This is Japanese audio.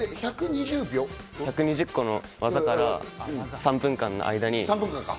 １２０個の技から３分間の間に。